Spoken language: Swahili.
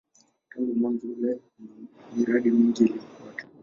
Tangu mwanzo ule kuna miradi mingi iliyofuata.